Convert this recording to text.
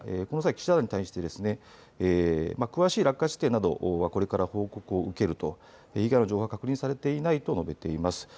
この際、記者団に対して詳しい落下地点などはこれから報告を受けると、被害の情報は確認されていないとしています。